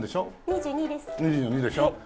２２でしょ？